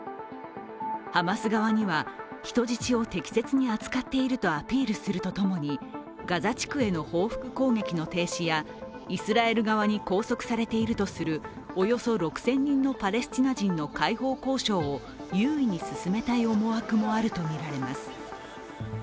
ハマス側には人質を適切に扱っているとアピールするとともに、ガザ地区への報復攻撃の停止やイスラエル側に拘束されているとされるおよそ６０００人のパレスチナ人の解放交渉を優位に進めたい思惑もあるとみられます。